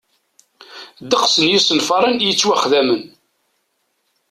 Ddeqs n yisenfaṛen i yettwaxdamen.